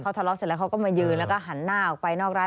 ทะเลาะเสร็จแล้วเขาก็มายืนแล้วก็หันหน้าออกไปนอกร้าน